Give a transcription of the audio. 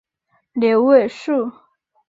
牛尾树